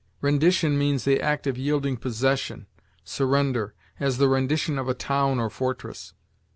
Rendition means the act of yielding possession, surrender, as the rendition of a town or fortress.